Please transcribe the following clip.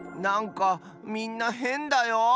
なんかみんなヘンだよ。